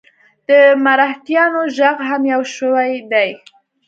د مرهټیانو ږغ هم یو شوی دی.